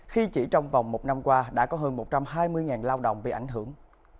khi chỉ trong vòng một năm qua đã có hơn một trăm hai mươi lao động bị ảnh hưởng